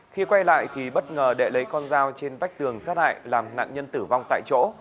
khi quay lại thì bất ngờ đệ lấy con dao trên vách tường sát hại làm nạn nhân tử vong tại chỗ